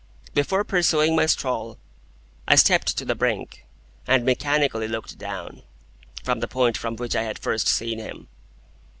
Before pursuing my stroll, I stepped to the brink, and mechanically looked down, from the point from which I had first seen him.